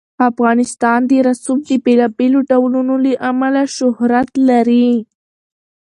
افغانستان د رسوب د بېلابېلو ډولونو له امله شهرت لري.